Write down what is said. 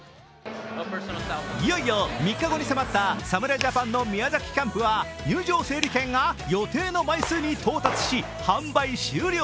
いよいよ３日後に迫った侍ジャパンの宮崎キャンプは入場整理券が予定の枚数に到達し販売終了。